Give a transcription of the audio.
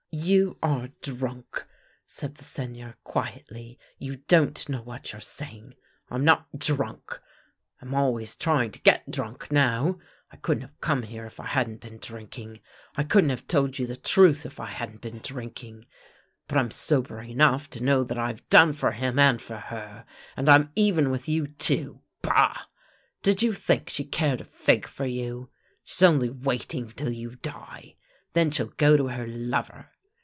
" You are drunk !" said the Seigneur quietly. " You don't know what you're saying." " I'm not drunk. I'm always trying to get drunk now. I couldn't have come here if I hadn't been drink ing. I couldn't have told you the truth if I hadn't been drinking. But I'm sober enough to know that IVe done for him and for her ! And I'm even with you too — bah! Did you think she cared a fig for you? She's only waiting till you die. Then she'll go to her lover.